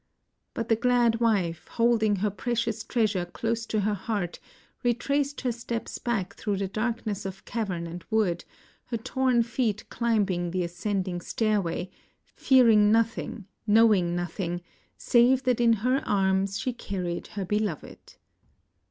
But the glad wife, holding her precious treasure close to her heart, retraced her steps back through the darkness of cavern and wood, her torn feet climbing the ascending stairway, fearing nothing, knowing nothing, save that in her arms she carried her beloved.